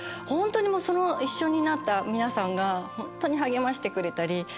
ホントにもうその一緒になった皆さんがホントに励ましてくれたり。